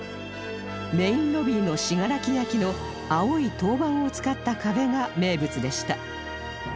メインロビーの信楽焼の青い陶板を使った壁が名物でした